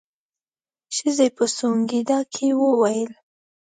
ښځې په سونګېدا کې وويل.